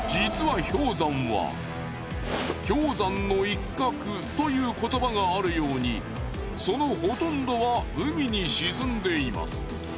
氷山の一角という言葉があるようにそのほとんどは海に沈んでいます。